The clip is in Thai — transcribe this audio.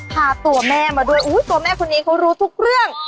พาตัวแม่มาด้วยตัวแม่คนนี้เขารู้ทุกเรื่อง